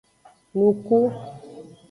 Nuku.